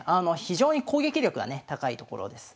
非常に攻撃力がね高いところです。